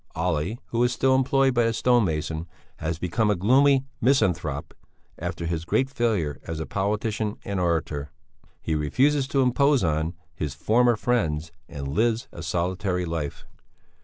Olle, who is still employed by the stonemason, has become a gloomy misanthrope after his great failure as a politician and orator. He refuses "to impose on" his former friends and lives a solitary life.